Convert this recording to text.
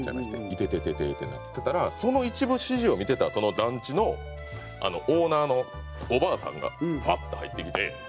イテテテテってなってたらその一部始終を見てたその団地のオーナーのおばあさんがフワッと入ってきて。